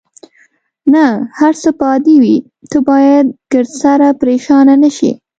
نه، هر څه به عادي وي، ته باید ګردسره پرېشانه نه شې.